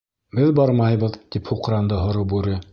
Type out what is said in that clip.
— Беҙ бармайбыҙ, — тип һуҡранды һоро бүре.